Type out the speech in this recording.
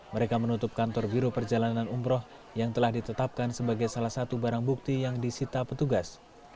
mereka menutup kantor biro perjalanan umroh yang telah ditetapkan sebagai salah satu barang bukti yang disita petugas